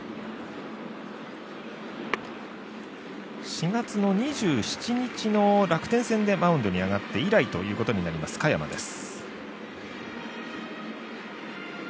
４月の２７日の楽天戦でマウンドに上がって以来ということになります嘉弥真です。